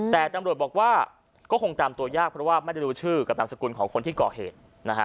แต่ตำรวจบอกว่าก็คงตามตัวยากเพราะว่าไม่ได้รู้ชื่อกับนามสกุลของคนที่ก่อเหตุนะฮะ